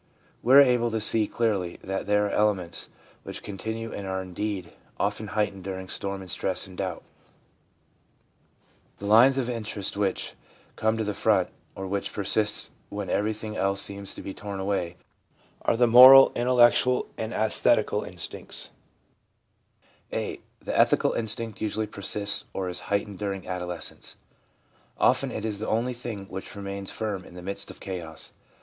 We are able to see clearly that there are elements which continue and are indeed often heightened during storm and stress and doubt. The lines of interest which 1 Pedagogical Seminary, Vol. VI., p. 64. 19 2 7 o THE PSYCHOLOGY OF RELIGION come to the front, or which persist when everything else seems to be torn away, are the moral, intellectual, and aesthetical instincts. (a) The ethical instinct usually persists or is heightened during adolescence. Often it is the only thing which remains firm in the midst of chaos.